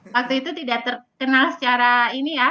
waktu itu tidak terkenal secara ini ya